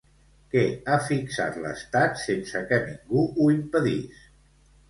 Què ha fixat l'Estat sense que ningú ho impedís?